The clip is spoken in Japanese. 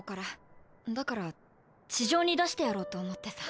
だから地上に出してやろうと思ってさ。